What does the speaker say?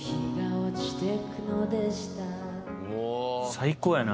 最高やな！